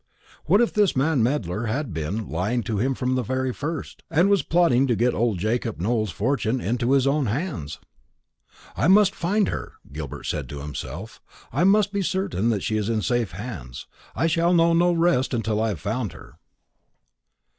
What if this man Medler had been lying to him from first to last, and was plotting to get old Jacob Nowell's fortune into his own hands? "I must find her," Gilbert said to himself; "I must be certain that she is in safe hands. I shall know no rest till I have found her."